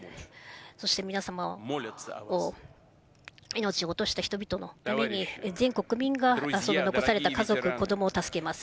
そして皆様を、命を落とした人々のために、全国民が、残された家族、子どもを助けます。